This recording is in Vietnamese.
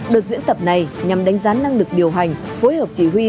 đợt diễn tập này nhằm đánh giá năng lực điều hành phối hợp chỉ huy